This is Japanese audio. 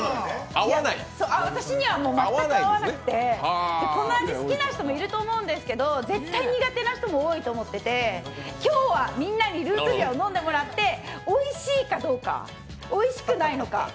私には全く合わなくてこの味、好きな人もいると思うんですけど絶対苦手な人も多いと思ってて今日はみんなにルートビアを飲んでもらっておいしいかどうかおいしくないのか。